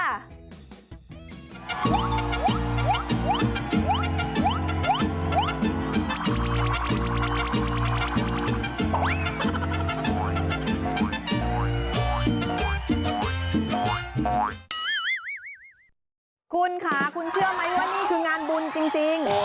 นี่คืองานบุญจริงคุณค่ะคุณเชื่อไหมว่านี่คืองานบุญจริง